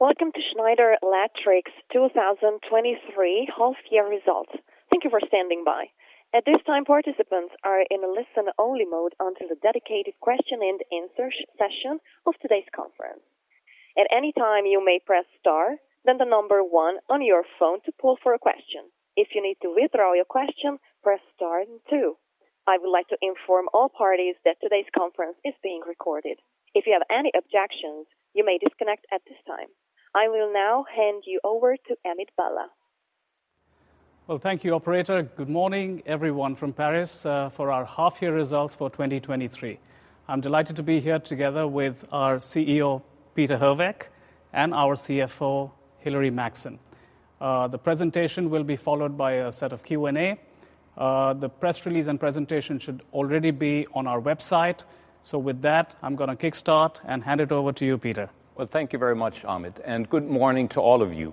Welcome to Schneider Electric's 2023 half year results. Thank you for standing by. At this time, participants are in a listen-only mode until the dedicated question and answer session of today's conference. At any time, you may press Star, then 1 on your phone to pull for a question. If you need to withdraw your question, press Star and 2. I would like to inform all parties that today's conference is being recorded. If you have any objections, you may disconnect at this time. I will now hand you over to Amit Bhalla. Well, thank you, operator. Good morning, everyone, from Paris, for our half year results for 2023. I'm delighted to be here together with our CEO, Peter Herweck, and our CFO, Hilary Maxson. The presentation will be followed by a set of Q&A. The press release and presentation should already be on our website. With that, I'm gonna kick start and hand it over to you, Peter. Thank you very much, Amit, and good morning to all of you.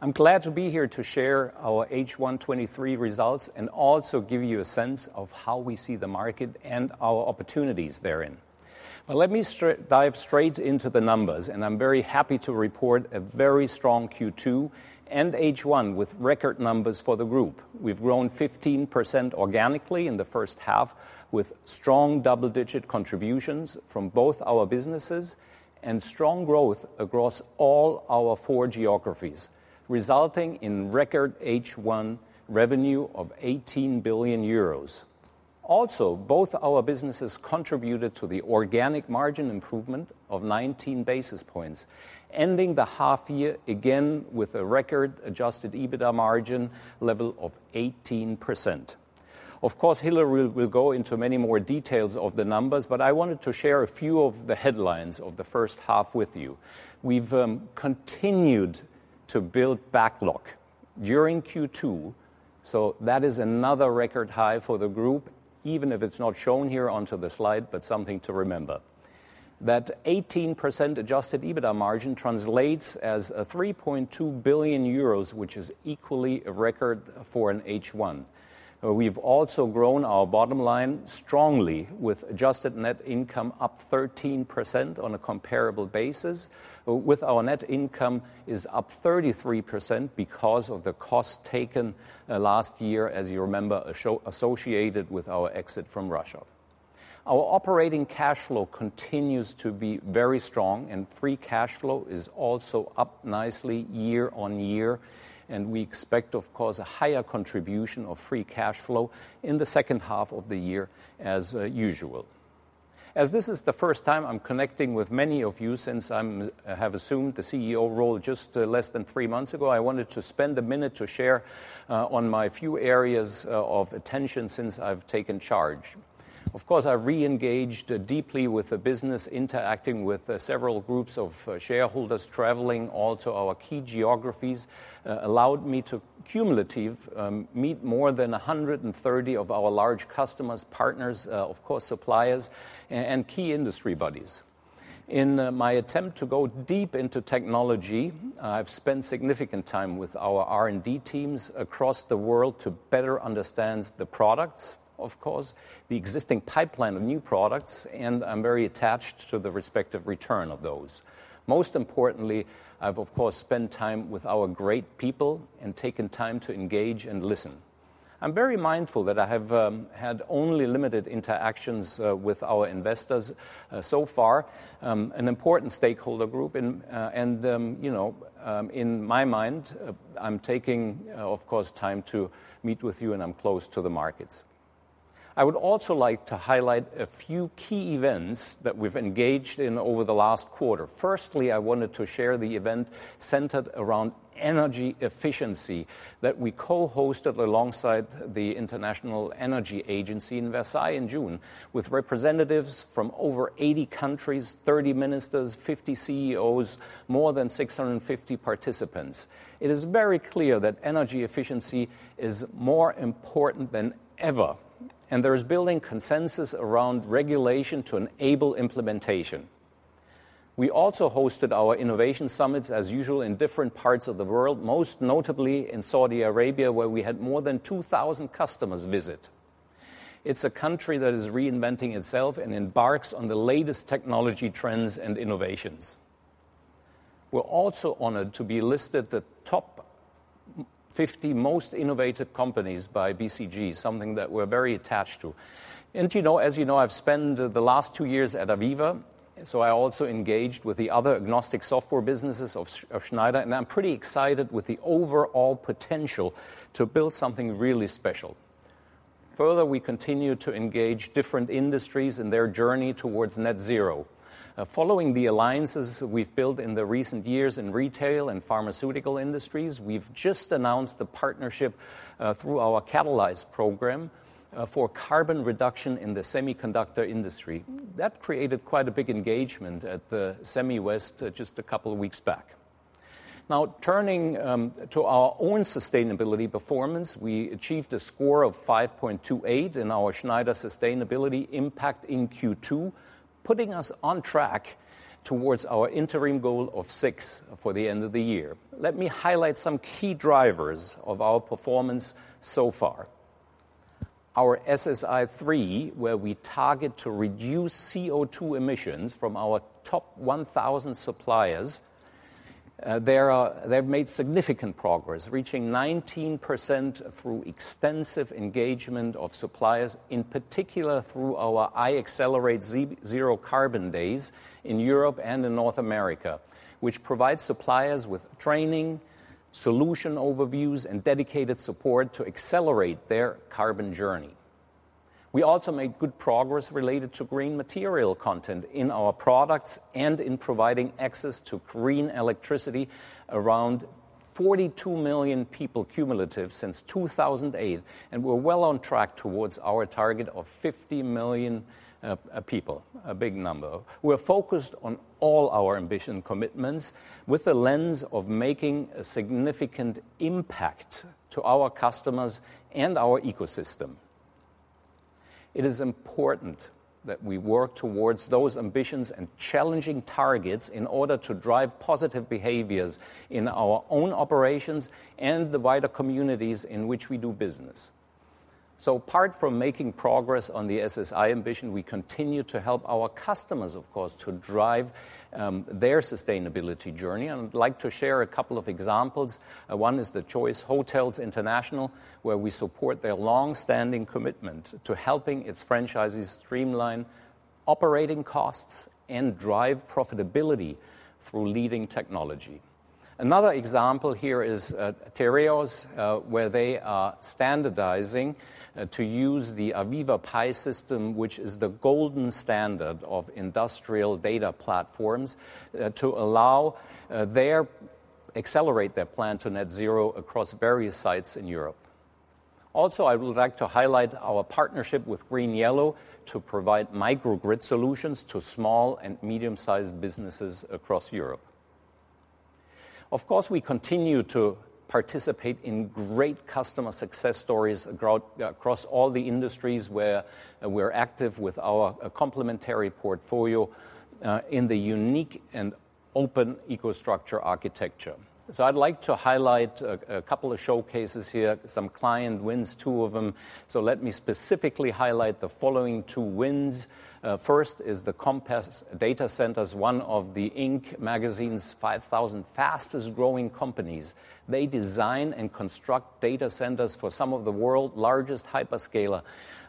I'm glad to be here to share our H1 2023 results and also give you a sense of how we see the market and our opportunities therein. Let me dive straight into the numbers, and I'm very happy to report a very strong Q2 and H1 with record numbers for the group. We've grown 15% organically in the first half, with strong double-digit contributions from both our businesses and strong growth across all our 4 geographies, resulting in record H1 revenue of 18 billion euros. Both our businesses contributed to the organic margin improvement of 19 basis points, ending the half year again with a record adjusted EBITDA margin level of 18%. Of course, Hilary will go into many more details of the numbers, I wanted to share a few of the headlines of the first half with you. We've continued to build backlog during Q2, that is another record high for the group, even if it's not shown here onto the slide, something to remember. That 18% Adjusted EBITDA margin translates as 3.2 billion euros, which is equally a record for an H1. We've also grown our bottom line strongly, with adjusted net income up 13% on a comparable basis, with our net income is up 33% because of the cost taken last year, as you remember, associated with our exit from Russia. Our operating cash flow continues to be very strong, Free cash flow is also up nicely year-over-year, we expect, of course, a higher contribution of free cash flow in the second half of the year as usual. This is the first time I'm connecting with many of you since I have assumed the CEO role just less than 3 months ago, I wanted to spend a minute to share on my few areas of attention since I've taken charge. I reengaged deeply with the business, interacting with several groups of shareholders, traveling all to our key geographies allowed me to cumulative meet more than 130 of our large customers, partners, of course, suppliers and key industry bodies. In my attempt to go deep into technology, I've spent significant time with our R&D teams across the world to better understand the products, of course, the existing pipeline of new products, and I'm very attached to the respective return of those. Most importantly, I've, of course, spent time with our great people and taken time to engage and listen. I'm very mindful that I have had only limited interactions with our investors so far, an important stakeholder group, and, you know, in my mind, I'm taking, of course, time to meet with you, and I'm close to the markets. I would also like to highlight a few key events that we've engaged in over the last quarter. Firstly, I wanted to share the event centered around energy efficiency that we co-hosted alongside the International Energy Agency in Versailles in June, with representatives from over 80 countries, 30 ministers, 50 CEOs, more than 650 participants. It is very clear that energy efficiency is more important than ever, and there is building consensus around regulation to enable implementation. We also hosted our innovation summits, as usual, in different parts of the world, most notably in Saudi Arabia, where we had more than 2,000 customers visit. It's a country that is reinventing itself and embarks on the latest technology trends and innovations. We're also honored to be listed the top 50 most innovative companies by BCG, something that we're very attached to. You know, as you know, I've spent the last 2 years at AVEVA, so I also engaged with the other agnostic software businesses of Schneider, and I'm pretty excited with the overall potential to build something really special. Further, we continue to engage different industries in their journey towards Net Zero. Following the alliances we've built in the recent years in retail and pharmaceutical industries, we've just announced a partnership through our Catalyze program for carbon reduction in the semiconductor industry. That created quite a big engagement at the SEMICON West just a couple of weeks back. Now, turning to our own sustainability performance, we achieved a score of 5.28 in our Schneider Sustainability Impact in Q2, putting us on track towards our interim goal of 6 for the end of the year. Let me highlight some key drivers of our performance so far. Our SSI 3, where we target to reduce CO₂ emissions from our top 1,000 suppliers, they've made significant progress, reaching 19% through extensive engagement of suppliers, in particular through our iAccelerate Zero Carbon Days in Europe and in North America, which provides suppliers with training, solution overviews, and dedicated support to accelerate their carbon journey. We also made good progress related to green material content in our products and in providing access to green electricity, around 42 million people cumulative since 2008, and we're well on track towards our target of 50 million people, a big number. We're focused on all our ambition commitments with the lens of making a significant impact to our customers and our ecosystem. It is important that we work towards those ambitions and challenging targets in order to drive positive behaviors in our own operations and the wider communities in which we do business. Apart from making progress on the SSI ambition, we continue to help our customers, of course, to drive their sustainability journey, and I'd like to share a couple of examples. One is the Choice Hotels International, where we support their long-standing commitment to helping its franchisees streamline operating costs and drive profitability through leading technology. Another example here is Tereos, where they are standardizing to use the AVEVA PI System, which is the golden standard of industrial data platforms, to allow accelerate their plan to Net Zero across various sites in Europe. Also, I would like to highlight our partnership with GreenYellow to provide microgrid solutions to small and medium-sized businesses across Europe. Of course, we continue to participate in great customer success stories across all the industries where we're active with our complementary portfolio in the unique and open EcoStruxure architecture. I'd like to highlight a couple of showcases here, some client wins, two of them. Let me specifically highlight the following two wins. First is the Compass Datacenters, one of the Inc. magazine's 5,000 fastest-growing companies. They design and construct data centers for some of the world's largest hyperscaler,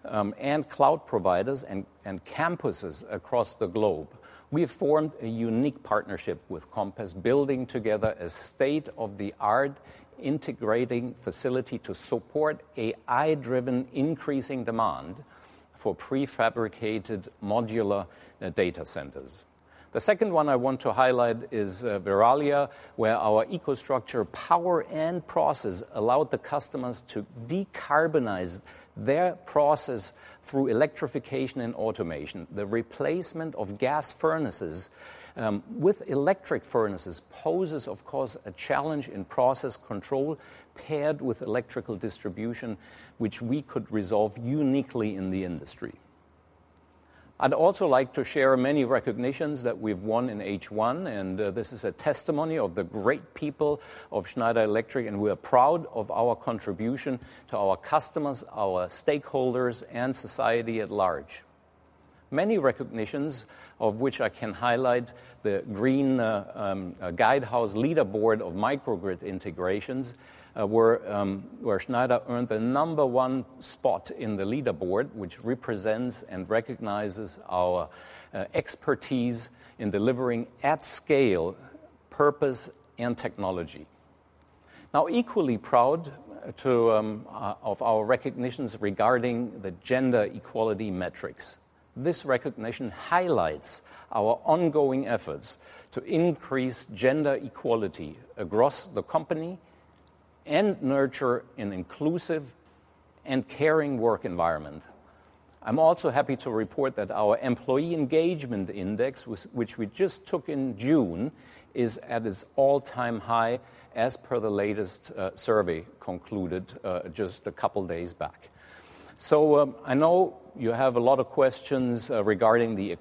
and cloud providers and campuses across the globe. We have formed a unique partnership with Compass, building together a state-of-the-art integrating facility to support AI-driven increasing demand for prefabricated modular data centers. The second one I want to highlight is Verallia, where our EcoStruxure power and process allowed the customers to decarbonize their process through electrification and automation. The replacement of gas furnaces, with electric furnaces poses, of course, a challenge in process control paired with electrical distribution, which we could resolve uniquely in the industry. I'd also like to share many recognitions that we've won in H1, and this is a testimony of the great people of Schneider Electric, and we are proud of our contribution to our customers, our stakeholders, and society at large. Many recognitions, of which I can highlight the green Guidehouse leaderboard of microgrid integrations, where Schneider earned the number one spot in the leaderboard, which represents and recognizes our expertise in delivering at scale, purpose, and technology. Now, equally proud of our recognitions regarding the gender equality metrics. This recognition highlights our ongoing efforts to increase gender equality across the company and nurture an inclusive and caring work environment. I'm also happy to report that our employee engagement index, which we just took in June, is at its all-time high, as per the latest survey concluded just a couple days back. I know you have a lot of questions regarding the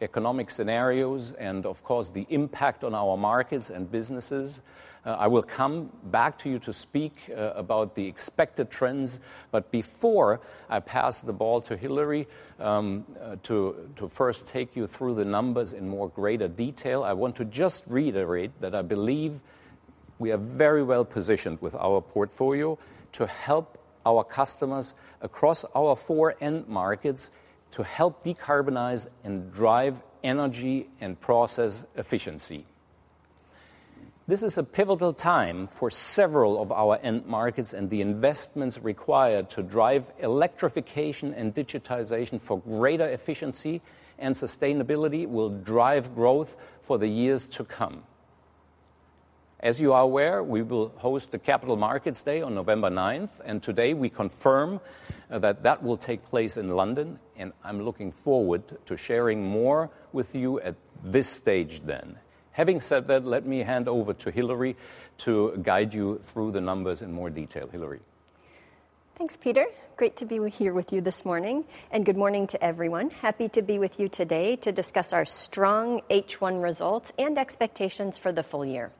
economic scenarios and of course, the impact on our markets and businesses. I will come back to you to speak about the expected trends, but before I pass the ball to Hilary, to first take you through the numbers in more greater detail, I want to just reiterate that I believe we are very well positioned with our portfolio to help our customers across our four end markets to help decarbonize and drive energy and process efficiency. This is a pivotal time for several of our end markets, and the investments required to drive electrification and digitization for greater efficiency and sustainability will drive growth for the years to come. As you are aware, we will host the Capital Markets Day on November ninth, and today we confirm that will take place in London, and I'm looking forward to sharing more with you at this stage then. Having said that, let me hand over to Hilary to guide you through the numbers in more detail. Hilary? Thanks, Peter. Great to be here with you this morning, and good morning to everyone. Happy to be with you today to discuss our strong H1 results and expectations for the full year.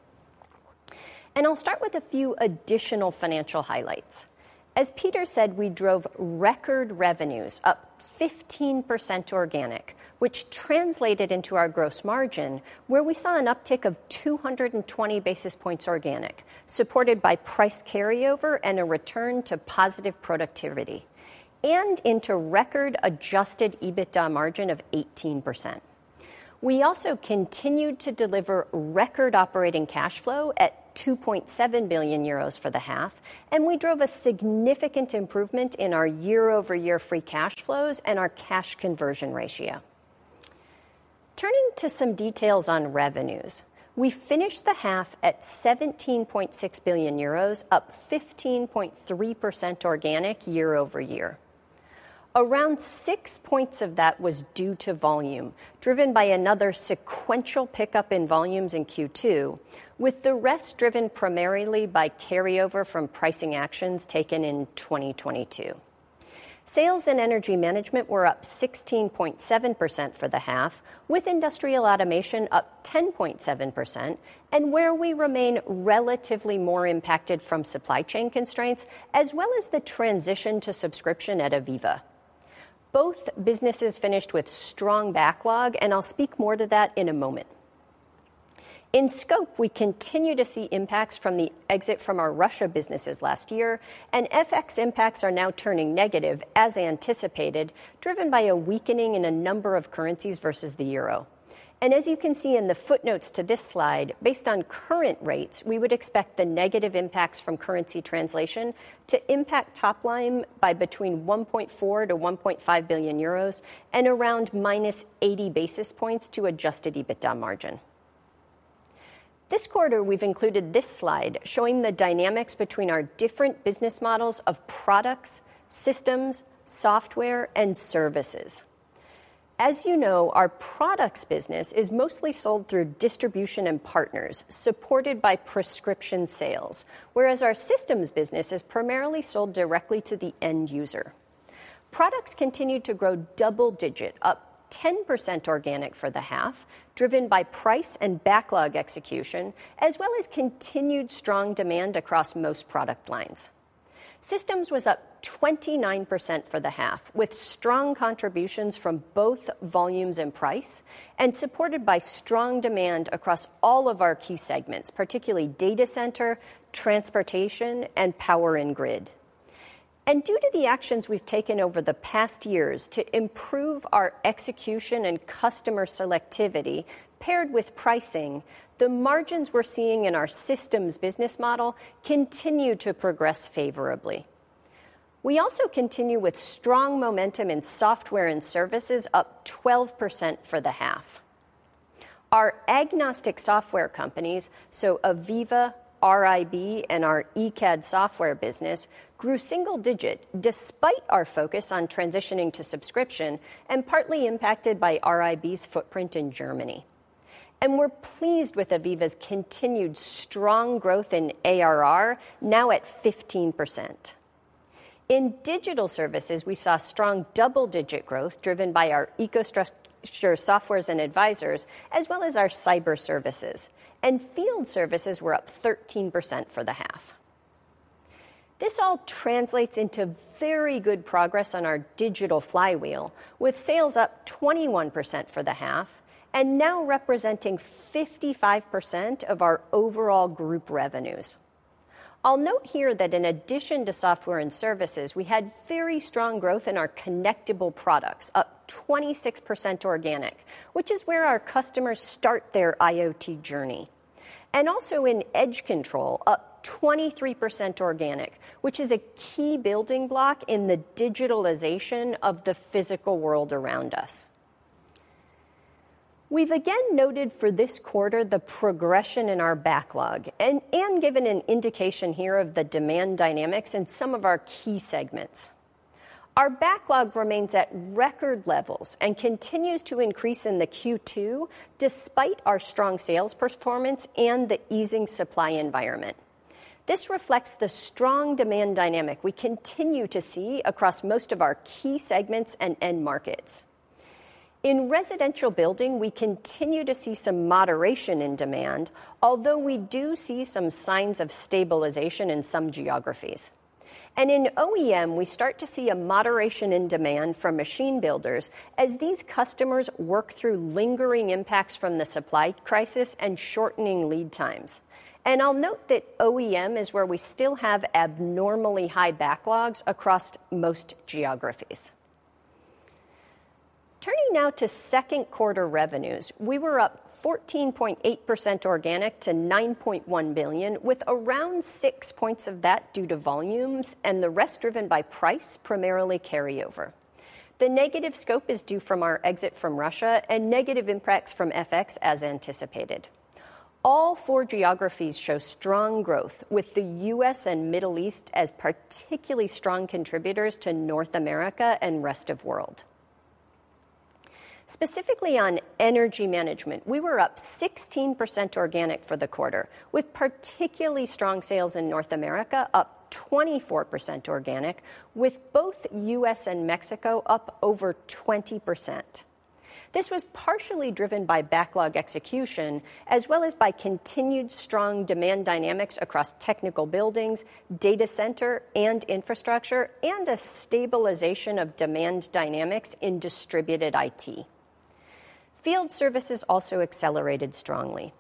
I'll start with a few additional financial highlights. As Peter said, we drove record revenues up 15% organic, which translated into our gross margin, where we saw an uptick of 220 basis points organic, supported by price carryover and a return to positive productivity, and into record Adjusted EBITDA margin of 18%. We also continued to deliver record operating cash flow at 2.7 billion euros for the half, we drove a significant improvement in our year-over-year free cash flows and our cash conversion ratio. Turning to some details on revenues, we finished the half at 17.6 billion euros, up 15.3% organic year-over-year. Around 6 points of that was due to volume, driven by another sequential pickup in volumes in Q2, with the rest driven primarily by carryover from pricing actions taken in 2022. Sales and energy management were up 16.7% for the half, with industrial automation up 10.7%, where we remain relatively more impacted from supply chain constraints, as well as the transition to subscription at AVEVA. Both businesses finished with strong backlog, I'll speak more to that in a moment. In scope, we continue to see impacts from the exit from our Russia businesses last year, FX impacts are now turning negative, as anticipated, driven by a weakening in a number of currencies versus the euro. As you can see in the footnotes to this slide, based on current rates, we would expect the negative impacts from currency translation to impact top line by between 1.4 billion-1.5 billion euros and around -80 basis points to Adjusted EBITDA margin. This quarter, we've included this slide showing the dynamics between our different business models of products, systems, software, and services. As you know, our products business is mostly sold through distribution and partners, supported by prescription sales, whereas our systems business is primarily sold directly to the end user. Products continued to grow double digit, up 10% organic for the half, driven by price and backlog execution, as well as continued strong demand across most product lines. Systems was up 29% for the half, with strong contributions from both volumes and price, supported by strong demand across all of our key segments, particularly data center, transportation, and power and grid. Due to the actions we've taken over the past years to improve our execution and customer selectivity, paired with pricing, the margins we're seeing in our systems business model continue to progress favorably. We also continue with strong momentum in software and services, up 12% for the half. Our agnostic software companies, so AVEVA, RIB, and our ECAD software business, grew single digit, despite our focus on transitioning to subscription and partly impacted by RIB's footprint in Germany. We're pleased with AVEVA's continued strong growth in ARR, now at 15%. In digital services, we saw strong double-digit growth driven by our EcoStruxure softwares and advisors, as well as our cyber services. Field services were up 13% for the half. This all translates into very good progress on our Digital Flywheel, with sales up 21% for the half and now representing 55% of our overall group revenues. I'll note here that in addition to software and services, we had very strong growth in our connectable products, up 26% organic, which is where our customers start their IoT journey. Also in Edge Control, up 23% organic, which is a key building block in the digitalization of the physical world around us. We've again noted for this quarter the progression in our backlog and given an indication here of the demand dynamics in some of our key segments. Our backlog remains at record levels and continues to increase in the Q2, despite our strong sales performance and the easing supply environment. This reflects the strong demand dynamic we continue to see across most of our key segments and end markets. In residential building, we continue to see some moderation in demand, although we do see some signs of stabilization in some geographies. In OEM, we start to see a moderation in demand from machine builders as these customers work through lingering impacts from the supply crisis and shortening lead times. I'll note that OEM is where we still have abnormally high backlogs across most geographies. Turning now to second quarter revenues, we were up 14.8% organic to 9.1 billion, with around 6 points of that due to volumes and the rest driven by price, primarily carryover. The negative scope is due from our exit from Russia and negative impacts from FX, as anticipated. All four geographies show strong growth, with the U.S. and Middle East as particularly strong contributors to North America and rest of world. Specifically, on energy management, we were up 16% organic for the quarter, with particularly strong sales in North America, up 24% organic, with both U.S. and Mexico up over 20%. This was partially driven by backlog execution, as well as by continued strong demand dynamics across technical buildings, data center, and infrastructure, and a stabilization of demand dynamics in distributed IT. Field services also accelerated strongly.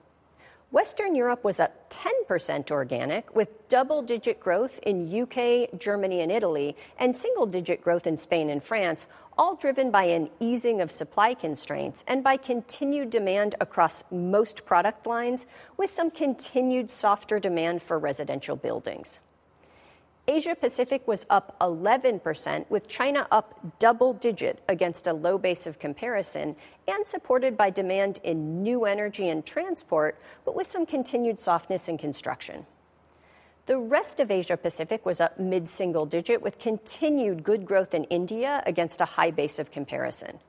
Western Europe was up 10% organic, with double-digit growth in U.K., Germany, and Italy, and single-digit growth in Spain and France, all driven by an easing of supply constraints and by continued demand across most product lines, with some continued softer demand for residential buildings. Asia Pacific was up 11%, with China up double-digit against a low base of comparison, and supported by demand in new energy and transport, but with some continued softness in construction. The rest of Asia Pacific was up mid-single-digit, with continued good growth in India against a high base of comparison.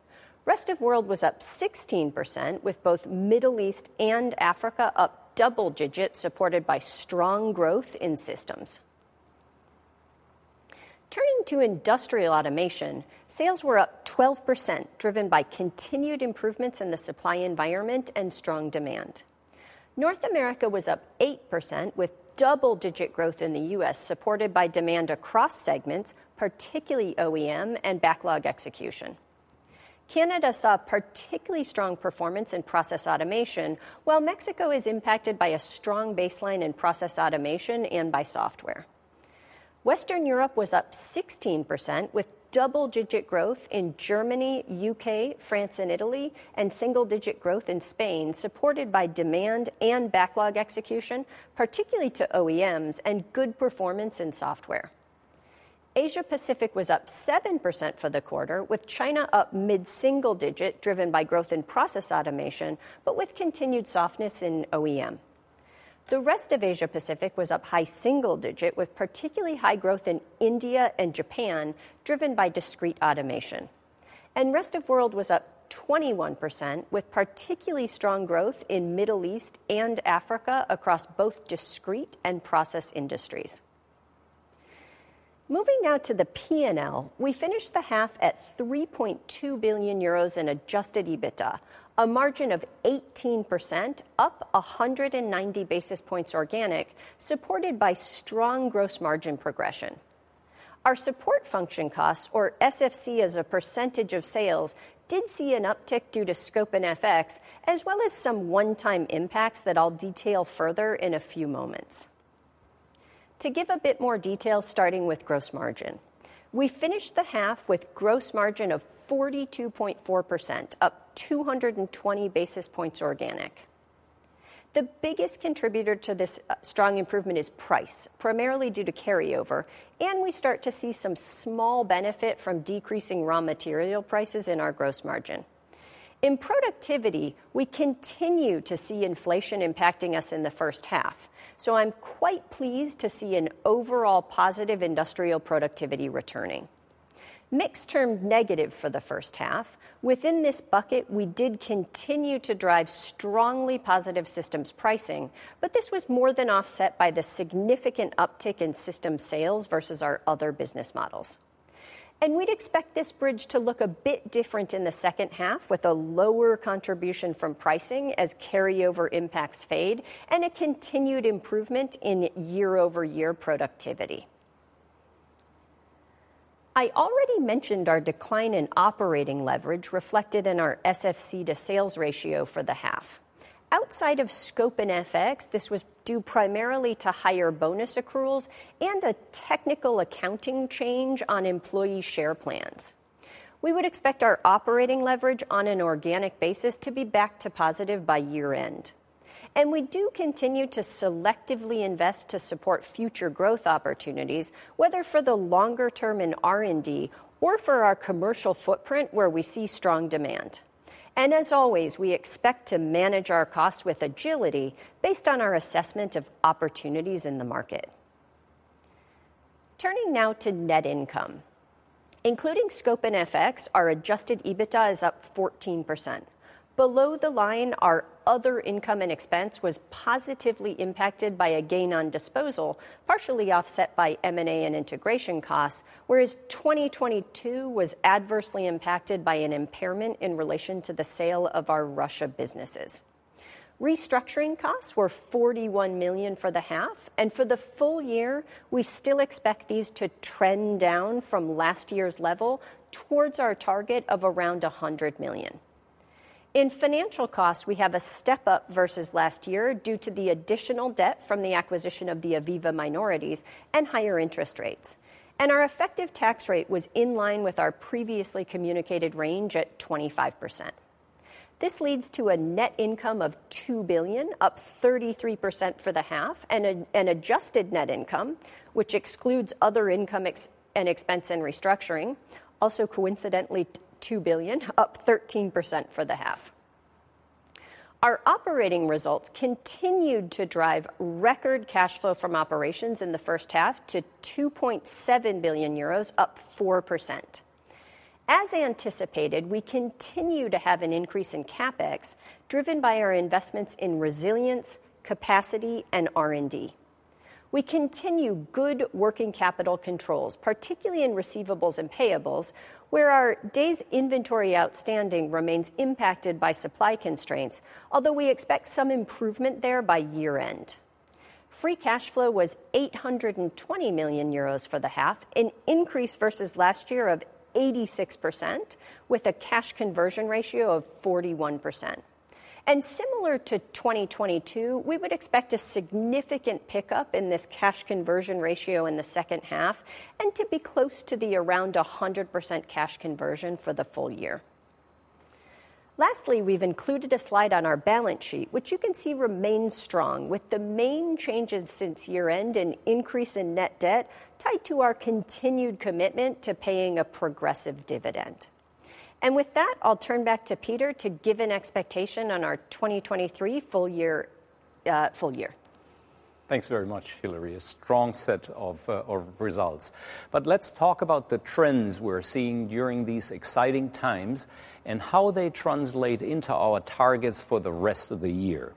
Rest of World was up 16%, with both Middle East and Africa up double-digits, supported by strong growth in systems. Turning to industrial automation, sales were up 12%, driven by continued improvements in the supply environment and strong demand. North America was up 8%, with double-digit growth in the U.S., supported by demand across segments, particularly OEM and backlog execution. Canada saw particularly strong performance in process automation, while Mexico is impacted by a strong baseline in process automation and by software. Western Europe was up 16%, with double-digit growth in Germany, U.K., France, and Italy, and single-digit growth in Spain, supported by demand and backlog execution, particularly to OEMs and good performance in software. Asia Pacific was up 7% for the quarter, with China up mid-single digit, driven by growth in process automation, with continued softness in OEM. The rest of Asia Pacific was up high single digit, with particularly high growth in India and Japan, driven by discrete automation. Rest of world was up 21%, with particularly strong growth in Middle East and Africa across both discrete and process industries. Moving now to the P&L, we finished the half at 3.2 billion euros in Adjusted EBITDA, a margin of 18%, up 190 basis points organic, supported by strong gross margin progression. Our support function costs, or SFC, as a percentage of sales, did see an uptick due to scope and FX, as well as some one-time impacts that I'll detail further in a few moments. To give a bit more detail, starting with gross margin, we finished the half with gross margin of 42.4%, up 220 basis points organic. The biggest contributor to this strong improvement is price, primarily due to carryover. We start to see some small benefit from decreasing raw material prices in our gross margin. In productivity, we continue to see inflation impacting us in the first half. I'm quite pleased to see an overall positive industrial productivity returning. Mix turned negative for the first half. Within this bucket, we did continue to drive strongly positive systems pricing, but this was more than offset by the significant uptick in system sales versus our other business models. We'd expect this bridge to look a bit different in the second half, with a lower contribution from pricing as carryover impacts fade and a continued improvement in year-over-year productivity. I already mentioned our decline in operating leverage reflected in our SFC-to-sales ratio for the half. Outside of scope and FX, this was due primarily to higher bonus accruals and a technical accounting change on employee share plans. We would expect our operating leverage on an organic basis to be back to positive by year-end, and we do continue to selectively invest to support future growth opportunities, whether for the longer term in R&D or for our commercial footprint, where we see strong demand. As always, we expect to manage our costs with agility based on our assessment of opportunities in the market. Turning now to net income. Including scope and FX, our Adjusted EBITDA is up 14%. Below the line, our other income and expense was positively impacted by a gain on disposal, partially offset by M&A and integration costs, whereas 2022 was adversely impacted by an impairment in relation to the sale of our Russia businesses. Restructuring costs were 41 million for the half, and for the full year, we still expect these to trend down from last year's level towards our target of around 100 million. In financial costs, we have a step-up versus last year due to the additional debt from the acquisition of the AVEVA minorities and higher interest rates. Our effective tax rate was in line with our previously communicated range at 25%. This leads to a net income of 2 billion, up 33% for the half, and an adjusted net income, which excludes other income and expense and restructuring, also coincidentally, 2 billion, up 13% for the half. Our operating results continued to drive record cash flow from operations in the first half to 2.7 billion euros, up 4%. As anticipated, we continue to have an increase in CapEx, driven by our investments in resilience, capacity, and R&D. We continue good working capital controls, particularly in receivables and payables, where our days inventory outstanding remains impacted by supply constraints, although we expect some improvement there by year-end. Free cash flow was 820 million euros for the half, an increase versus last year of 86%, with a cash conversion ratio of 41%. Similar to 2022, we would expect a significant pickup in this cash conversion ratio in the second half, and to be close to the around 100% cash conversion for the full year. Lastly, we've included a slide on our balance sheet, which you can see remains strong, with the main changes since year-end, an increase in net debt tied to our continued commitment to paying a progressive dividend. With that, I'll turn back to Peter to give an expectation on our 2023 full year. Thanks very much, Hilary. A strong set of results. Let's talk about the trends we're seeing during these exciting times, and how they translate into our targets for the rest of the year.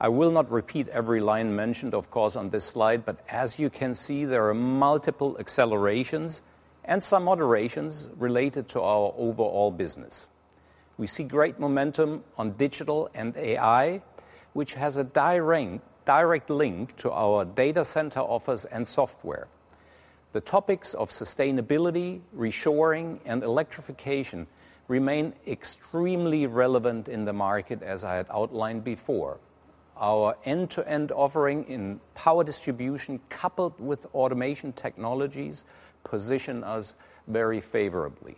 I will not repeat every line mentioned, of course, on this slide, as you can see, there are multiple accelerations and some moderations related to our overall business. We see great momentum on digital and AI, which has a direct link to our data center offers and software. The topics of sustainability, reshoring, and electrification remain extremely relevant in the market, as I had outlined before. Our end-to-end offering in power distribution, coupled with automation technologies, position us very favorably.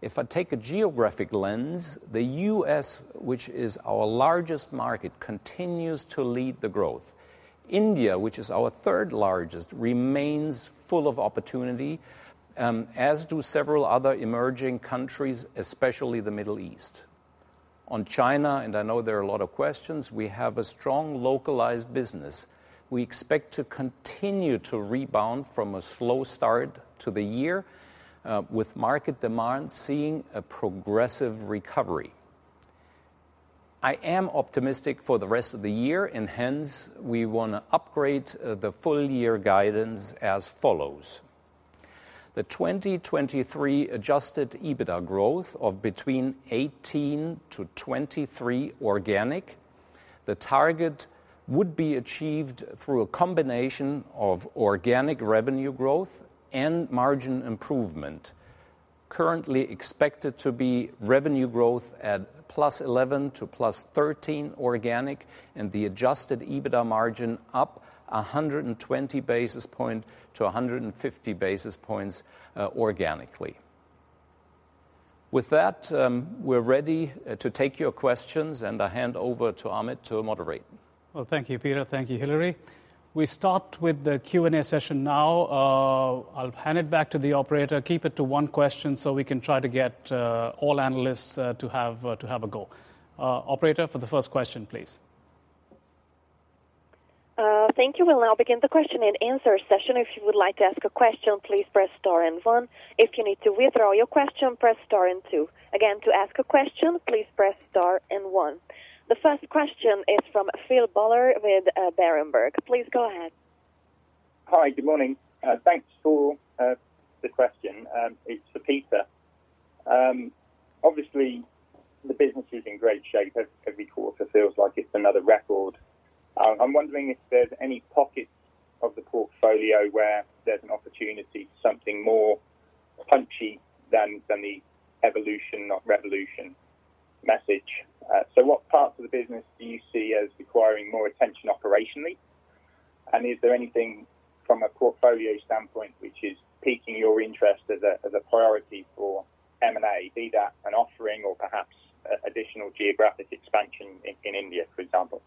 If I take a geographic lens, the US, which is our largest market, continues to lead the growth. India, which is our third largest, remains full of opportunity, as do several other emerging countries, especially the Middle East. On China, and I know there are a lot of questions, we have a strong localized business. We expect to continue to rebound from a slow start to the year, with market demand seeing a progressive recovery. I am optimistic for the rest of the year, hence, we wanna upgrade the full year guidance as follows: The 2023 Adjusted EBITDA growth of between 18%-23% organic. The target would be achieved through a combination of organic revenue growth and margin improvement. Currently expected to be revenue growth at +11% to +13% organic, the Adjusted EBITDA margin up 120 basis point to 150 basis points organically. With that, we're ready to take your questions, and I hand over to Amit to moderate. Well, thank you, Peter. Thank you, Hilary. We start with the Q&A session now. I'll hand it back to the operator. Keep it to one question so we can try to get all analysts to have a go. Operator, for the first question, please. Thank you. We'll now begin the question and answer session. If you would like to ask a question, please press star 1. If you need to withdraw your question, please press star 2. Again, to ask a question, please press star 1. The first question is from Philip Buller with Berenberg. Please go ahead. Hi, good morning. Thanks for the question. It's for Peter. Obviously, the business is in great shape. Every quarter feels like it's another record. I'm wondering if there's any pockets of the portfolio where there's an opportunity, something more punchy than the evolution, not revolution, message. What parts of the business do you see as requiring more attention operationally? Is there anything from a portfolio standpoint which is piquing your interest as a priority for M&A, be that an offering or perhaps additional geographic expansion in India, for example?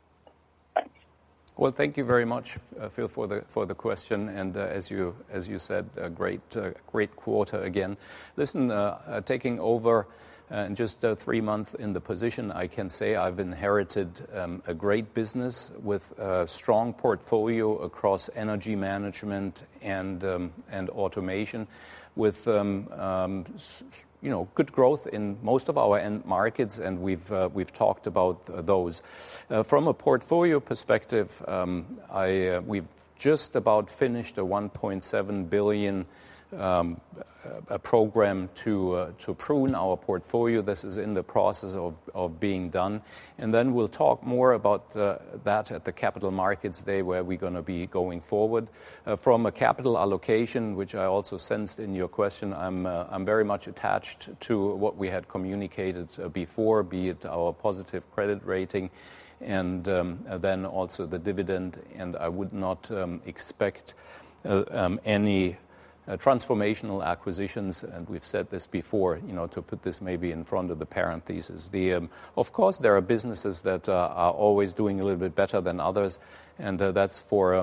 Thanks. Well, thank you very much, Philip, for the question. As you, as you said, a great quarter again. Listen, taking over just three months in the position, I can say I've inherited a great business with a strong portfolio across energy management and automation, with you know, good growth in most of our end markets, we've talked about those. From a portfolio perspective, we've just about finished a 1.7 billion program to prune our portfolio. This is in the process of being done. We'll talk more about that at the Capital Markets Day, where we're gonna be going forward. From a capital allocation, which I also sensed in your question, I'm very much attached to what we had communicated before, be it our positive credit rating and then also the dividend, and I would not expect any transformational acquisitions. We've said this before, you know, to put this maybe in front of the parent thesis. Of course, there are businesses that are always doing a little bit better than others, and that's for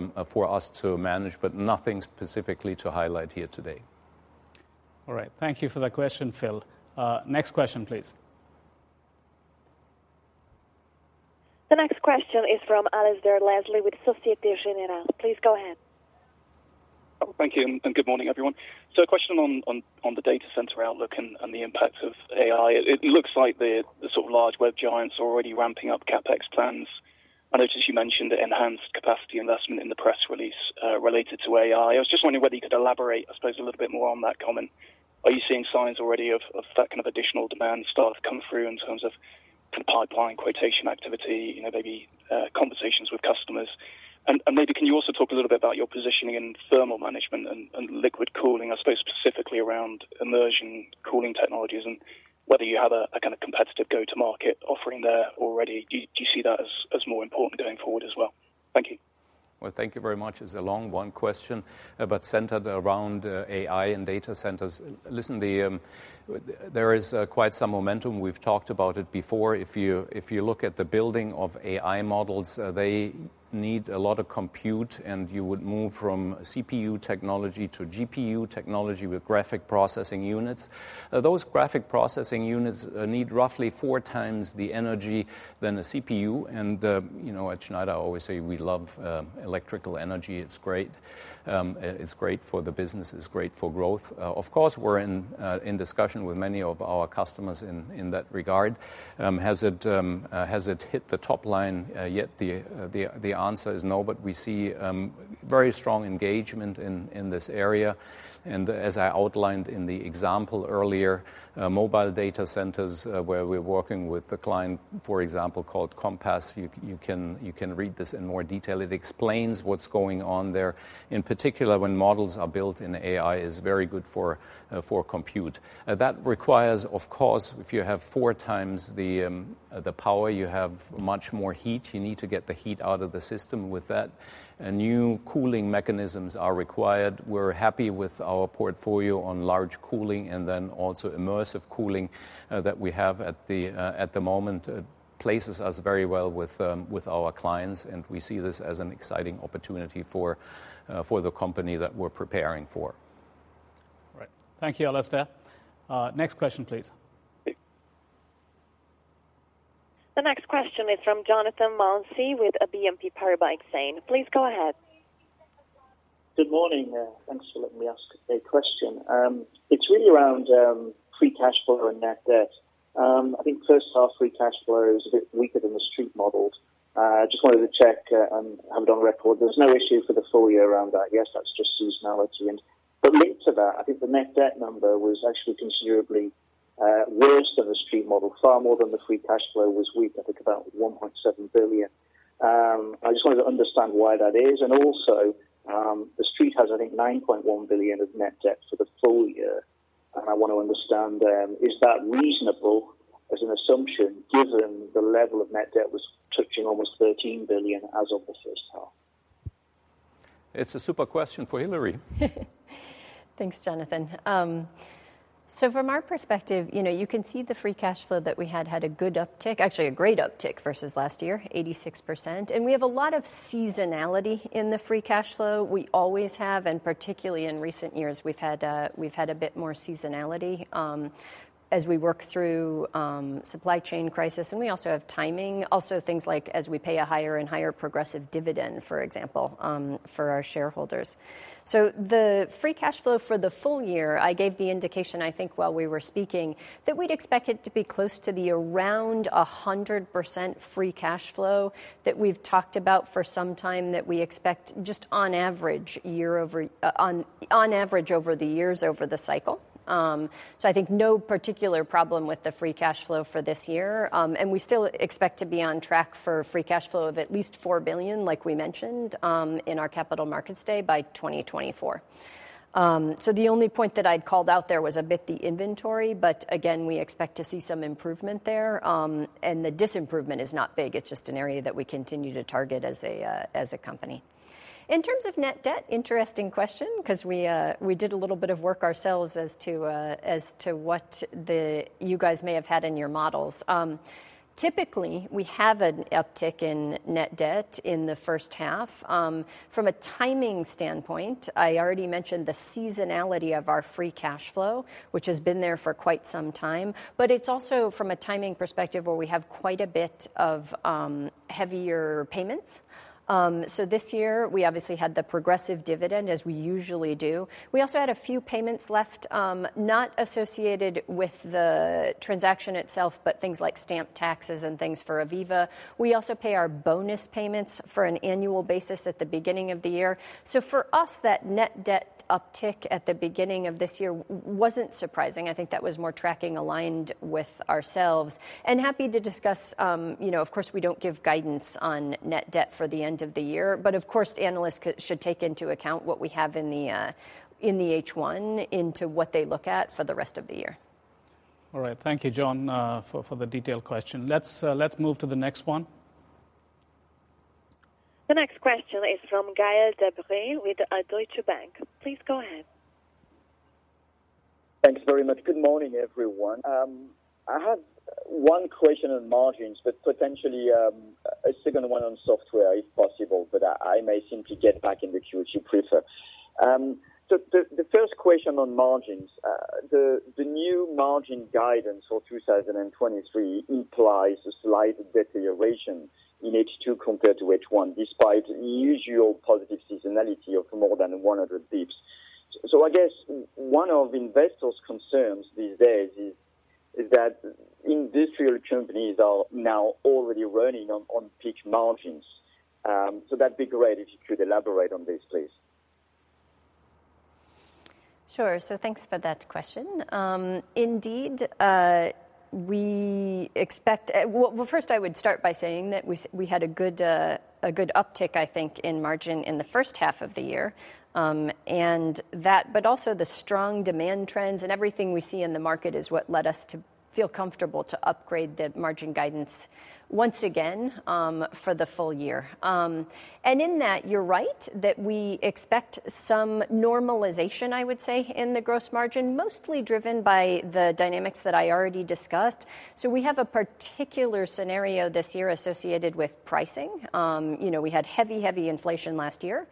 us to manage, but nothing specifically to highlight here today. All right. Thank you for that question, Phil. Next question, please. The next question is from Alasdair Leslie with Societe Generale. Please go ahead. Thank you, and good morning, everyone. A question on the data center outlook and the impact of AI. It looks like the sort of large web giants are already ramping up CapEx plans. I noticed you mentioned enhanced capacity investment in the press release related to AI. I was just wondering whether you could elaborate, I suppose, a little bit more on that comment. Are you seeing signs already of that kind of additional demand start to come through in terms of kind of pipeline quotation activity, you know, maybe conversations with customers? Maybe can you also talk a little bit about your positioning in thermal management and liquid cooling, I suppose specifically around immersion cooling technologies, and whether you have a kind of competitive go-to-market offering there already. Do you see that as more important going forward as well? Thank you. Well, thank you very much. It's a long one question, centered around AI and data centers. Listen, there is quite some momentum. We've talked about it before. If you look at the building of AI models, they need a lot of compute, and you would move from CPU technology to GPU technology with graphic processing units. Those graphic processing units need roughly 4 times the energy than a CPU, and, you know, at Schneider, I always say we love electrical energy. It's great. It's great for the business. It's great for growth. Of course, we're in discussion with many of our customers in that regard. Has it hit the top line yet? The answer is no, but we see very strong engagement in this area. As I outlined in the example earlier, mobile data centers, where we're working with a client, for example, called Compass, you can read this in more detail. It explains what's going on there. In particular, when models are built in AI, it's very good for compute. That requires, of course, if you have 4 times the power, you have much more heat. You need to get the heat out of the system with that, and new cooling mechanisms are required. We're happy with our portfolio on large cooling, and then also immersive cooling, that we have at the moment. It places us very well with our clients, and we see this as an exciting opportunity for the company that we're preparing for. All right. Thank you, Alasdair. Next question, please. The next question is from Jonathan Mounsey with BNP Paribas Exane. Please go ahead. Good morning. Thanks for letting me ask a question. It's really around free cash flow and net debt. I think first half free cash flow is a bit weaker than the Street models. Just wanted to check and have it on record. There's no issue for the full year around that. That's just seasonality. Linked to that, I think the net debt number was actually considerably worse than the Street model, far more than the free cash flow was weak, I think about 1.7 billion. I just wanted to understand why that is, and also, the Street has, I think, 9.1 billion of net debt for the full year. I want to understand, is that reasonable as an assumption, given the level of net debt was touching almost 13 billion as of the first half? It's a super question for Hilary. Thanks, Jonathan. From our perspective, you know, you can see the free cash flow that we had a good uptick, actually a great uptick versus last year, 86%. We have a lot of seasonality in the free cash flow. We always have, and particularly in recent years, we've had a bit more seasonality, as we work through supply chain crisis. We also have timing. Also, things like as we pay a higher and higher progressive dividend, for example, for our shareholders. The free cash flow for the full year, I gave the indication, I think, while we were speaking, that we'd expect it to be close to the around 100% free cash flow that we've talked about for some time, that we expect just on average, year over, on average, over the years over the cycle. I think no particular problem with the free cash flow for this year. We still expect to be on track for free cash flow of at least 4 billion, like we mentioned, in our Capital Markets Day, by 2024. The only point that I'd called out there was a bit the inventory, but again, we expect to see some improvement there. The disimprovement is not big. It's just an area that we continue to target as a company. In terms of net debt, interesting question, because we did a little bit of work ourselves. You guys may have had in your models. Typically, we have an uptick in net debt in the first half. From a timing standpoint, I already mentioned the seasonality of our free cash flow, which has been there for quite some time. It's also from a timing perspective, where we have quite a bit of heavier payments. This year we obviously had the progressive dividend, as we usually do. We also had a few payments left, not associated with the transaction itself, but things like stamp taxes and things for AVEVA. We also pay our bonus payments for an annual basis at the beginning of the year. For us, that net debt uptick at the beginning of this year wasn't surprising. I think that was more tracking aligned with ourselves. Happy to discuss, you know, of course, we don't give guidance on net debt for the end of the year, but of course, analysts could, should take into account what we have in the H1 into what they look at for the rest of the year. All right. Thank you, Jonathan, for the detailed question. Let's move to the next one. The next question is from Gael de-Bray with Deutsche Bank. Please go ahead. Thanks very much. Good morning, everyone. I have 1 question on margins, but potentially, a second one on software, if possible, but I may simply get back in the queue if you prefer. The first question on margins. The new margin guidance for 2023 implies a slight deterioration in H2 compared to H1, despite usual positive seasonality of more than 100 basis points. I guess one of investors' concerns these days is that industrial companies are now already running on peak margins. That'd be great if you could elaborate on this, please. Sure. Thanks for that question. Indeed, we expect. Well, first, I would start by saying that we had a good, a good uptick, I think, in margin in the first half of the year. That, but also the strong demand trends and everything we see in the market is what led us to feel comfortable to upgrade the margin guidance once again, for the full year. In that, you're right, that we expect some normalization, I would say, in the gross margin, mostly driven by the dynamics that I already discussed. We have a particular scenario this year associated with pricing. You know, we had heavy inflation last year.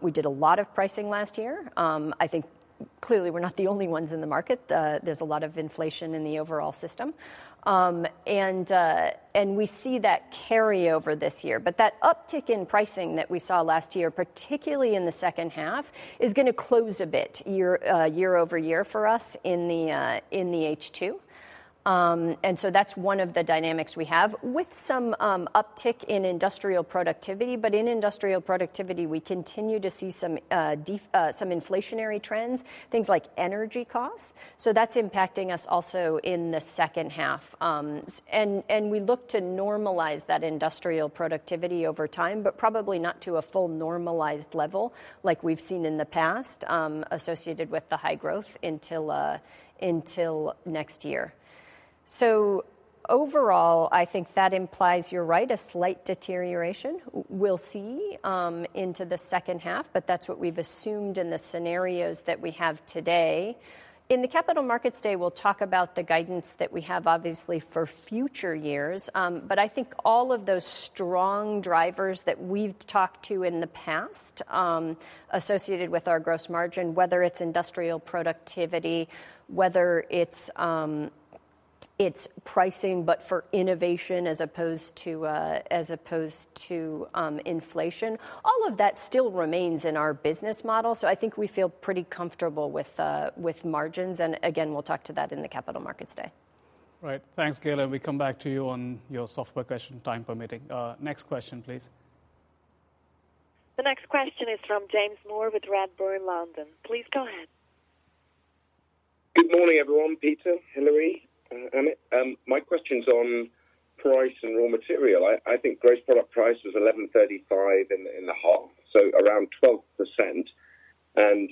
We did a lot of pricing last year. I think clearly we're not the only ones in the market. There's a lot of inflation in the overall system. We see that carry over this year. That uptick in pricing that we saw last year, particularly in the second half, is gonna close a bit year-over-year for us in the H2. That's one of the dynamics we have with some uptick in industrial productivity. In industrial productivity, we continue to see some inflationary trends, things like energy costs. That's impacting us also in the second half. We look to normalize that industrial productivity over time, but probably not to a full normalized level like we've seen in the past, associated with the high growth until next year. Overall, I think that implies you're right, a slight deterioration we'll see into the second half, but that's what we've assumed in the scenarios that we have today. In the Capital Markets Day, we'll talk about the guidance that we have, obviously, for future years. I think all of those strong drivers that we've talked to in the past, associated with our gross margin, whether it's industrial productivity, whether it's pricing, but for innovation as opposed to inflation, all of that still remains in our business model. I think we feel pretty comfortable with margins, and again, we'll talk to that in the Capital Markets Day. Right. Thanks, Gael. We come back to you on your software question, time permitting. Next question, please. The next question is from James Moore with Redburn London. Please go ahead. Good morning, everyone, Peter, Hilary, Amit. My question's on price and raw material. I think gross product price was 11.35% in the half, so around 12%, and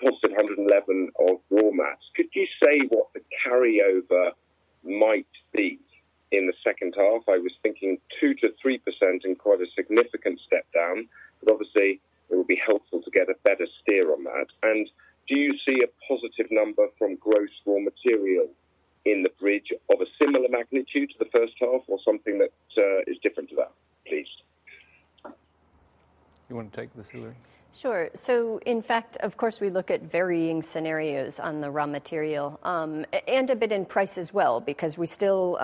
plus 711 of raw mats. Could you say what the carryover might be in the second half? I was thinking 2%-3% and quite a significant step down, but obviously, it would be helpful to get a better steer on that. Do you see a positive number from gross raw material in the bridge of a similar magnitude to the first half or something that is different to that, please? You want to take this, Hilary? Sure. In fact, of course, we look at varying scenarios on the raw material, and a bit in price as well, because we still,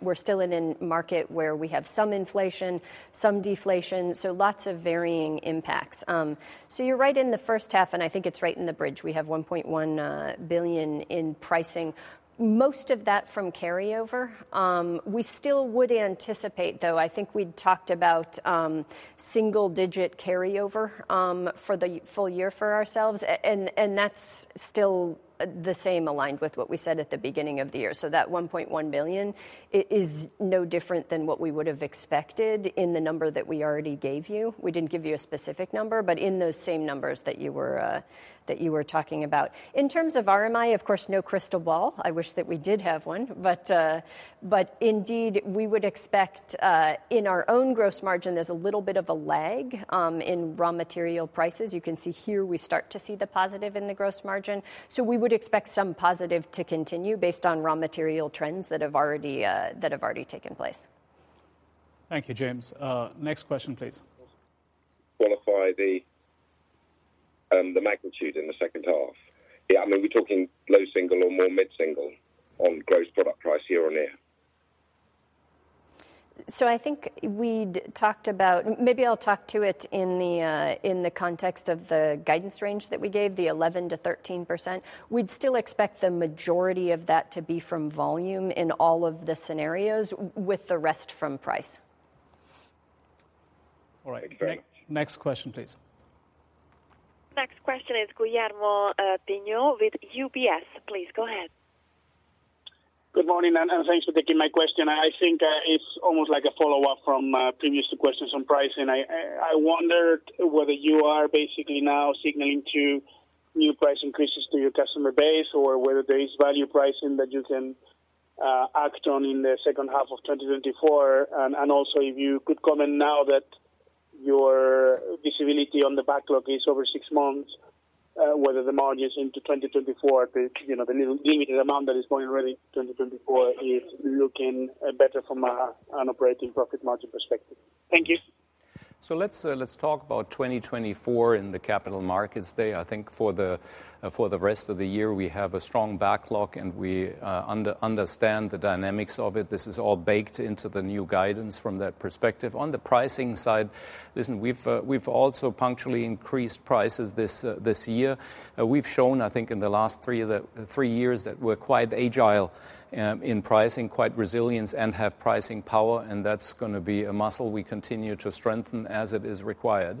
we're still in a market where we have some inflation, some deflation. Lots of varying impacts. You're right in the first half, and I think it's right in the bridge. We have 1.1 billion in pricing, most of that from carryover. We still would anticipate, though, I think we'd talked about single digit carryover for the full year for ourselves. That's still the same, aligned with what we said at the beginning of the year. That 1.1 billion is no different than what we would have expected in the number that we already gave you. We didn't give you a specific number, but in those same numbers that you were talking about. In terms of RMI, of course, no crystal ball. I wish that we did have one, but indeed, we would expect, in our own gross margin, there's a little bit of a lag, in raw material prices. You can see here, we start to see the positive in the gross margin. We would expect some positive to continue based on raw material trends that have already taken place. Thank you, James. Next question, please. Qualify the magnitude in the H2. Yeah, I mean, we're talking low single or more mid-single on gross product price year-on-year? Maybe I'll talk to it in the context of the guidance range that we gave, the 11%-13%. We'd still expect the majority of that to be from volume in all of the scenarios, with the rest from price. All right. Great. Next question, please. Next question is Guillermo Peigneux with UBS. Please, go ahead. Good morning, and thanks for thing my question. I think, it's almost like a follow-up from previous questions on pricing. I wondered whether you are basically now signaling to new price increases to your customer base or whether there is value pricing that you can act on in the second half of 2024. Also, if you could comment now that your visibility on the backlog is over six months, whether the margins into 2024, you know, the little limited amount that is going already into 2024 is looking better from an operating profit margin perspective. Thank you. Let's talk about 2024 in the Capital Markets Day. I think for the rest of the year, we have a strong backlog, and we understand the dynamics of it. This is all baked into the new guidance from that perspective. On the pricing side, listen, we've also punctually increased prices this year. We've shown, I think in the last three years, that we're quite agile in pricing, quite resilient, and have pricing power, and that's gonna be a muscle we continue to strengthen as it is required.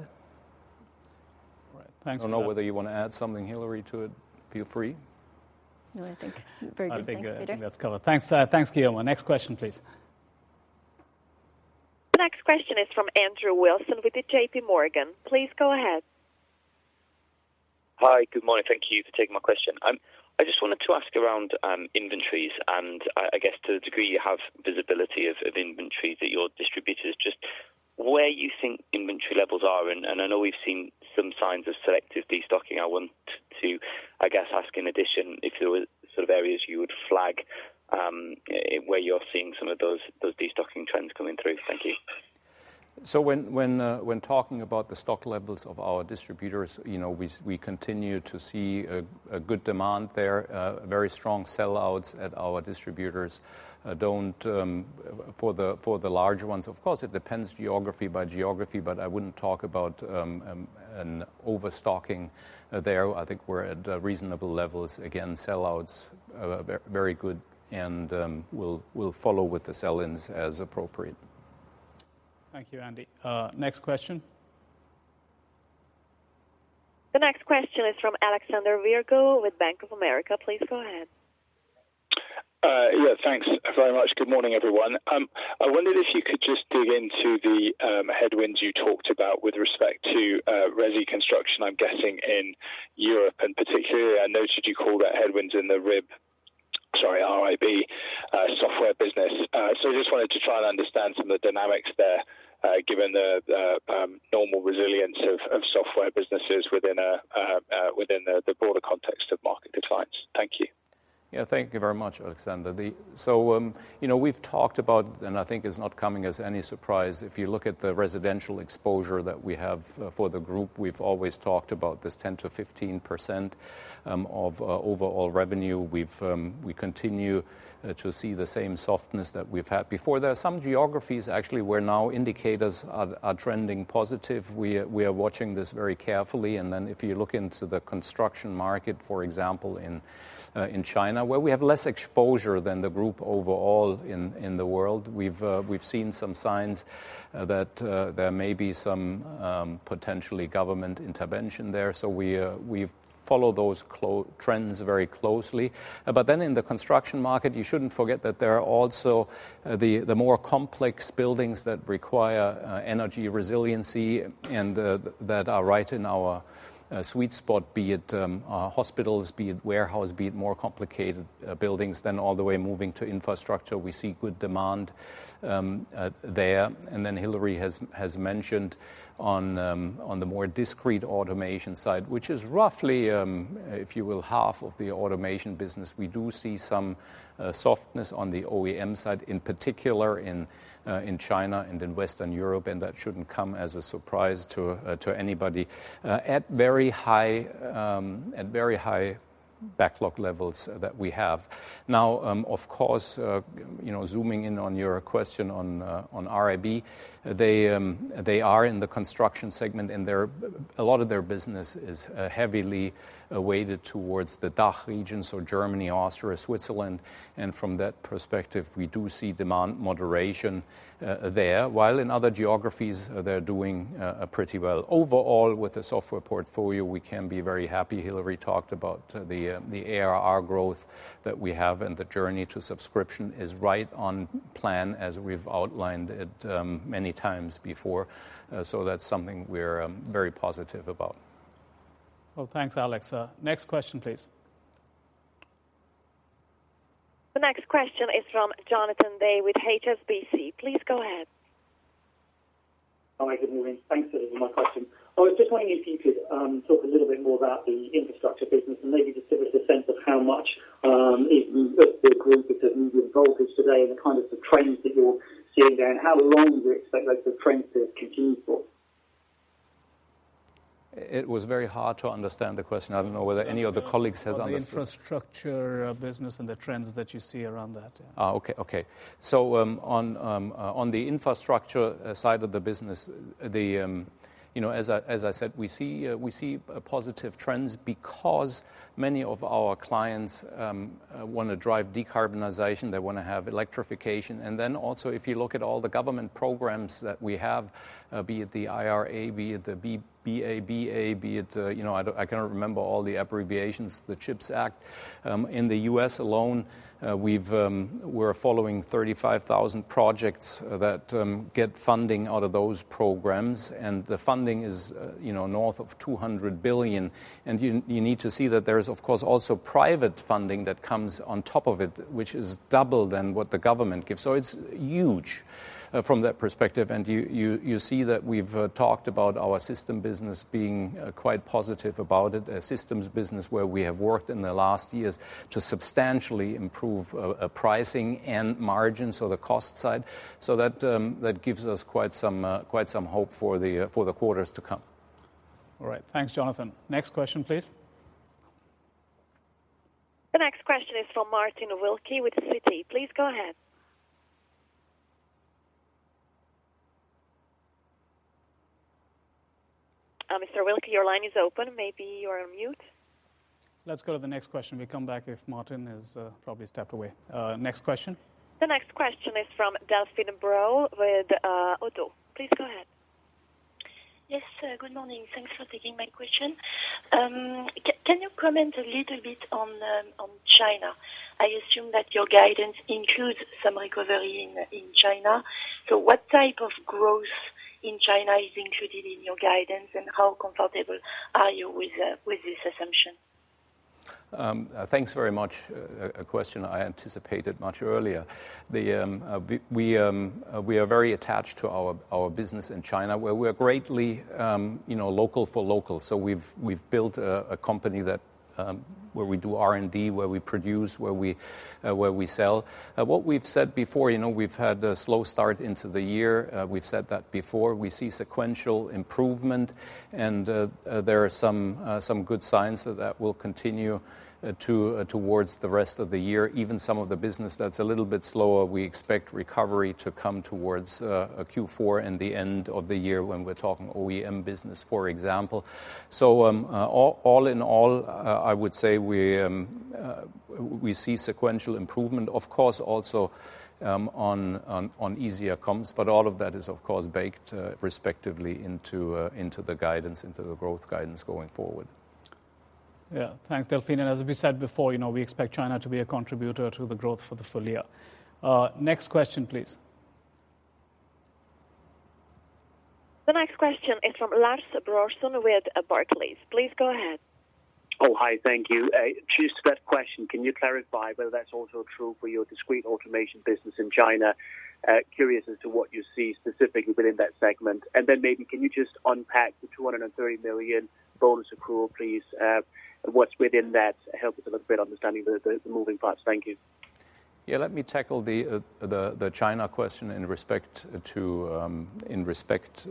Right. Thanks- I don't know whether you want to add something, Hilary, to it. Feel free. No, I think very good, thanks, Peter. I think that's covered. Thanks, Guillermo. Next question, please. The next question is from Andrew Wilson with the JP Morgan. Please go ahead. Hi, good morning. Thank you for taking my question. I just wanted to ask around inventories, and I guess, to the degree you have visibility of inventory that your distributors, just where you think inventory levels are. I know we've seen some signs of selective destocking. I want to, I guess, ask in addition if there were sort of areas you would flag, where you're seeing some of those destocking trends coming through. Thank you. When talking about the stock levels of our distributors, you know, we continue to see a good demand there, very strong sellouts at our distributors. Don't, for the larger ones, of course, it depends geography by geography, but I wouldn't talk about an overstocking there. I think we're at reasonable levels. Again, sellouts are very good, and we'll follow with the sell-ins as appropriate. Thank you, Andrew. next question? The next question is from Alexander Virgo with Bank of America. Please go ahead. Yeah, thanks very much. Good morning, everyone. I wondered if you could just dig into the headwinds you talked about with respect to resi construction, I'm guessing in Europe. Particularly, I noticed you called out headwinds in the RIB, sorry, RIB, software business. Just wanted to try and understand some of the dynamics there, given the normal resilience of software businesses within the broader context of market declines. Thank you. Thank you very much, Alexander. You know, we've talked about, and I think it's not coming as any surprise, if you look at the residential exposure that we have for the group, we've always talked about this 10%-15% of overall revenue. We've we continue to see the same softness that we've had before. There are some geographies actually, where now indicators are trending positive. We are watching this very carefully. If you look into the construction market, for example, in China, where we have less exposure than the group overall in the world, we've seen some signs that there may be some potentially government intervention there. We follow those trends very closely. But then in the construction market, you shouldn't forget that there are also the more complex buildings that require energy resiliency and that are right in our sweet spot, be it hospitals, be it warehouse, be it more complicated buildings than all the way moving infrastructure. We see good demand there. And there Hilary has mentioned on the more discrete automation side, which is roughly, if you will, half of the automation business. We do see some softness on the OEM side, in particular, in china and in Western Europe, and that shouldn't come as a surprise to anybody at very high backlog levels that we have. And of course, you know, zooming in on your question on RIB, they are in the construction segment, and a lot of their business is heavily weighted towards the DACH regions, so Germany, Austria, Switzerland. From that perspective, we do see demand moderation there. While in other geographies, they're doing pretty well. Overall, with the software portfolio, we can be very happy. Hilary talked about the ARR growth that we have and the journey to subscription is right on plan, as we've outlined it many times before. That's something we're very positive about. Well, thanks, Alexander. Next question, please. The next question is from Jonathan Day with HSBC. Please go ahead. Hi, good morning. Thanks for taking my question. I was just wondering if you could talk a little bit more about the infrastructure business and maybe just give us a sense of how much the group is involved with today, and the kind of the trends that you're seeing there, and how long do you expect those trends to continue for? It was very hard to understand the question. I don't know whether any of the colleagues. The infrastructure, business and the trends that you see around that. Okay. On the infrastructure side of the business, the, you know, as I said, we see positive trends because many of our clients want to drive decarbonization, they want to have electrification. Also, if you look at all the government programs that we have, be it the IRA, be it the BABA, be it, you know, I cannot remember all the abbreviations, the CHIPS Act. In the U.S. alone, we've, we're following 35,000 projects that get funding out of those programs, and the funding is, you know, north of 200 billion. You need to see that there is, of course, also private funding that comes on top of it, which is double than what the government gives. It's huge from that perspective. You see that we've talked about our system business being quite positive about it. A systems business where we have worked in the last years to substantially improve pricing and margins, so the cost side. That gives us quite some quite some hope for the quarters to come. All right. Thanks, Jonathan. Next question, please. The next question is from Martin Wilkie with Citi. Please go ahead. Mr. Wilkie, your line is open. Maybe you're on mute? Let's go to the next question. We'll come back if Martin is probably stepped away. Next question. The next question is from Delphine Brault with Oddo. Please go ahead. Yes, good morning. Thanks for taking my question. Can you comment a little bit on China? I assume that your guidance includes some recovery in China. What type of growth in China is included in your guidance, and how comfortable are you with this assumption? Thanks very much. A question I anticipated much earlier. We are very attached to our business in China, where we are greatly, you know, local for local. We've built a company that where we do R&D, where we produce, where we sell. What we've said before, you know, we've had a slow start into the year. We've said that before. We see sequential improvement, and there are some good signs that that will continue towards the rest of the year. Even some of the business that's a little bit slower, we expect recovery to come towards Q4 and the end of the year, when we're talking OEM business, for example. All in all, I would say we see sequential improvement. Of course, also, on easier comps, but all of that is, of course, baked, respectively into the guidance, into the growth guidance going forward. Yeah. Thanks, Delphine, as we said before, you know, we expect China to be a contributor to the growth for the full year. Next question, please. The next question is from Lars Brorson with Barclays. Please go ahead. Oh, hi. Thank you. Just first question, can you clarify whether that's also true for your discrete automation business in China? Curious as to what you see specifically within that segment. Then maybe can you just unpack the 230 million bonus accrual, please? What's within that? Help us a little bit understanding the moving parts. Thank you. Yeah, let me tackle the China question in respect to in respect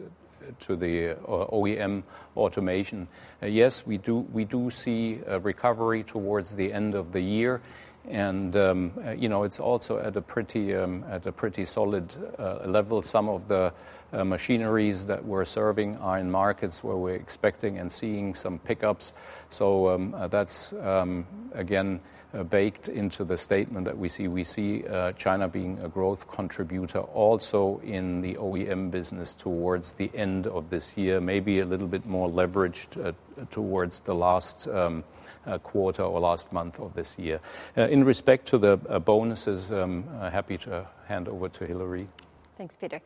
to the OEM automation. Yes, we do see a recovery towards the end of the year, and, you know, it's also at a pretty at a pretty solid level. Some of the machineries that we're serving are in markets where we're expecting and seeing some pickups, so that's again baked into the statement that we see. We see China being a growth contributor also in the OEM business towards the end of this year, maybe a little bit more leveraged at, towards the last quarter or last month of this year. In respect to the bonuses, I'm happy to hand over to Hilary. Thanks, Peter.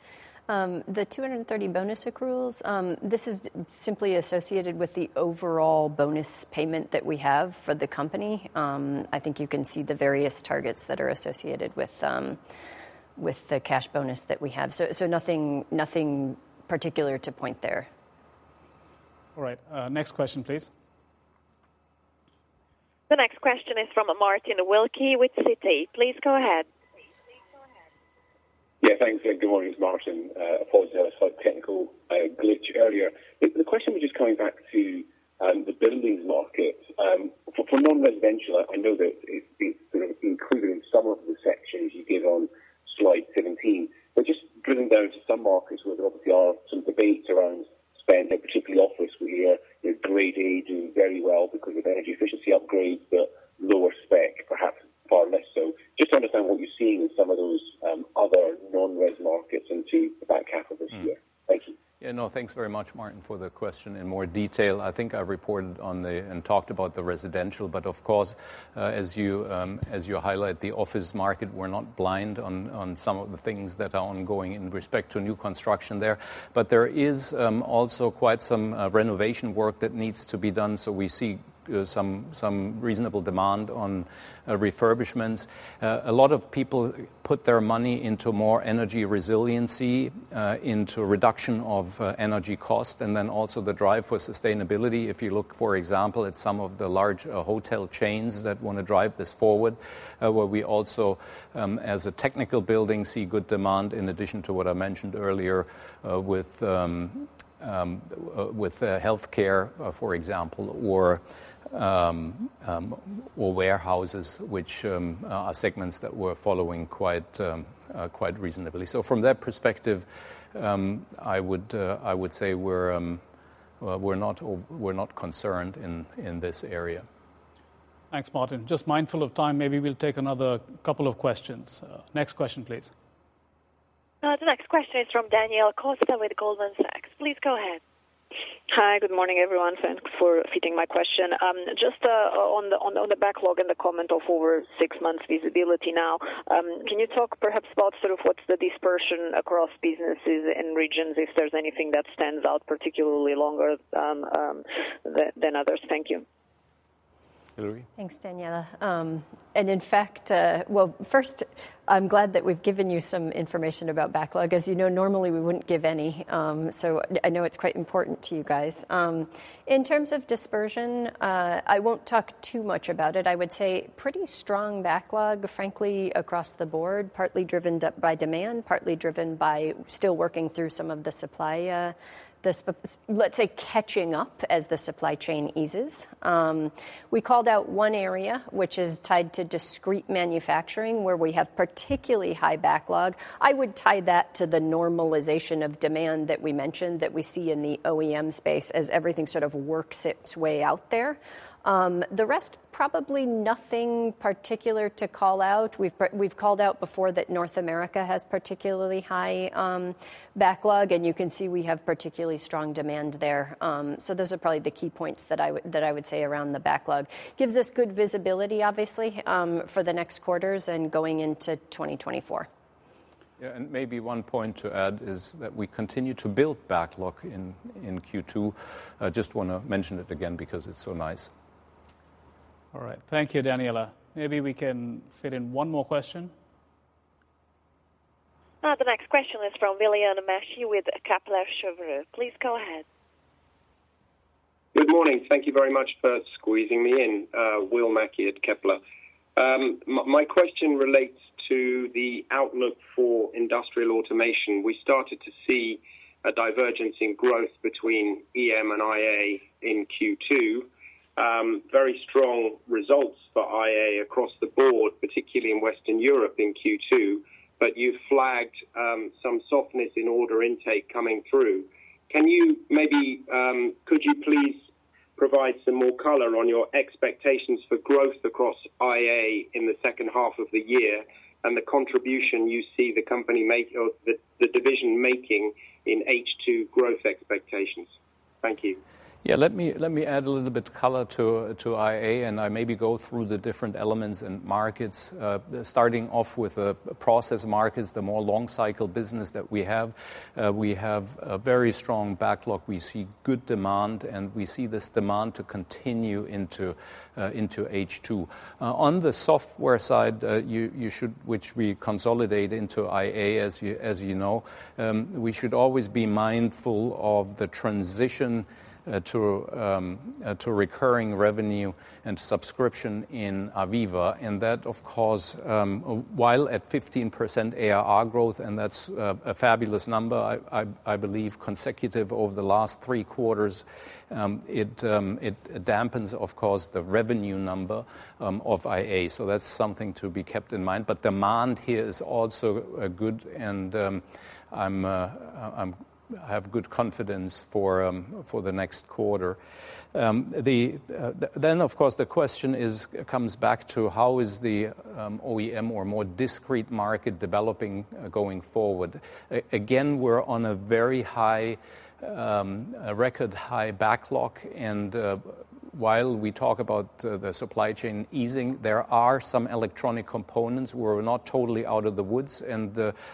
The 230 million bonus accruals, this is simply associated with the overall bonus payment that we have for the company. I think you can see the various targets that are associated with the cash bonus that we have. Nothing particular to point there. All right. Next question, please. The next question is from Martin Wilkie with Citi. Please go ahead. Yeah, thanks. Good morning. It's Martin. Apologies, I had a slight technical glitch earlier. The question was just coming back to the buildings market. For non-residential, I know that it's, you know, included in some of the sections you gave on slide 17. Just drilling down to some markets where there obviously are some debates around spend, in particular office, we hear that grade A doing very well because of energy efficiency upgrades, but lower spec perhaps far less so. Just to understand what you're seeing in some of those other non-res markets into the back half of this year. Mm-hmm. Thank you. Yeah, no, thanks very much, Martin, for the question in more detail. I think I've reported on the, and talked about the residential, of course, as you as you highlight, the office market, we're not blind on some of the things that are ongoing in respect to new construction there. There is also quite some renovation work that needs to be done, so we see some reasonable demand on refurbishments. A lot of people put their money into more energy resiliency, into reduction of energy cost, and then also the drive for sustainability. If you look, for example, at some of the large hotel chains that wanna drive this forward, where we also, as a technical building, see good demand, in addition to what I mentioned earlier, with healthcare, for example, or warehouses, which are segments that we're following quite reasonably. From that perspective, I would say we're not concerned in this area. Thanks, Martin. Just mindful of time, maybe we'll take another couple of questions. Next question, please. The next question is from Daniela Costa with Goldman Sachs. Please go ahead. Hi, good morning, everyone. Thanks for fitting my question. Just on the backlog and the comment of over 6 months visibility now, can you talk perhaps about sort of what's the dispersion across businesses and regions, if there's anything that stands out particularly longer than others? Thank you. Thanks, Daniela. In fact, well, first, I'm glad that we've given you some information about backlog. As you know, normally we wouldn't give any, I know it's quite important to you guys. In terms of dispersion, I won't talk too much about it. I would say pretty strong backlog, frankly, across the board, partly driven by demand, partly driven by still working through some of the supply, let's say, catching up as the supply chain eases. We called out one area, which is tied to discrete manufacturing, where we have particularly high backlog. I would tie that to the normalization of demand that we mentioned, that we see in the OEM space as everything sort of works its way out there. The rest, probably nothing particular to call out. We've called out before that North America has particularly high backlog. You can see we have particularly strong demand there. Those are probably the key points that I would say around the backlog. Gives us good visibility, obviously, for the next quarters and going into 2024. Yeah, maybe one point to add is that we continue to build backlog in Q2. I just wanna mention it again because it's so nice. All right. Thank you, Daniela. Maybe we can fit in one more question. The next question is from William Mackie with Kepler Cheuvreux. Please go ahead. Good morning. Thank you very much for squeezing me in, William Mackie at Kepler. My question relates to the outlook for industrial automation. We started to see a divergence in growth between EM and IA in Q2. Very strong results for IA across the board, particularly in Western Europe in Q2, but you flagged some softness in order intake coming through. Can you maybe, could you please provide some more color on your expectations for growth across IA in the second half of the year, and the contribution you see the company make or the division making in H2 growth expectations? Thank you. Yeah, let me add a little bit color to IA, and I maybe go through the different elements and markets. Starting off with the process markets, the more long cycle business that we have. We have a very strong backlog. We see good demand, and we see this demand to continue into H2. On the software side, which we consolidate into IA, as you know, we should always be mindful of the transition to recurring revenue and subscription in AVEVA. That, of course, while at 15% ARR growth, and that's a fabulous number, I believe, consecutive over the last 3 quarters, it dampens, of course, the revenue number of IA. That's something to be kept in mind. Demand here is also a good and I have good confidence for the next quarter. The question is, comes back to how is the OEM or more discrete market developing going forward? Again, we're on a very high, a record high backlog, and while we talk about the supply chain easing, there are some electronic components we're not totally out of the woods, and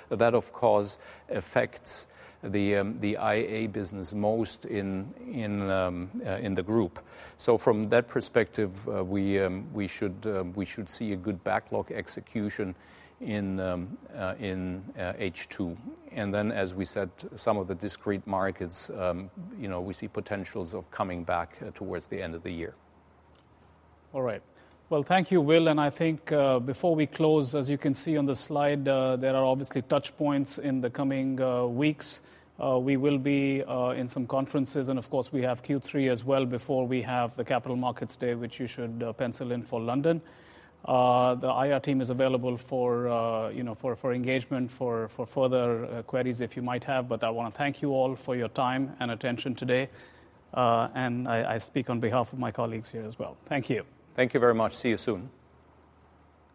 that, of course, affects the IA business most in the group. From that perspective, we should see a good backlog execution in H2. Then, as we said, some of the discrete markets, you know, we see potentials of coming back towards the end of the year. All right. Well, thank you, Will, and I think, before we close, as you can see on the slide, there are obviously touch points in the coming weeks. We will be in some conferences, and of course, we have Q3 as well, before we have the Capital Markets Day, which you should pencil in for London. The IR team is available for, you know, for engagement, for further queries if you might have. I wanna thank you all for your time and attention today, and I speak on behalf of my colleagues here as well. Thank you. Thank you very much. See you soon.